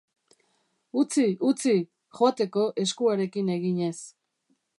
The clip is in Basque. Utzi, utzi!, joateko, eskuarekin eginez.